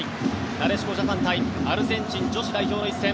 なでしこジャパン対アルゼンチン女子代表の一戦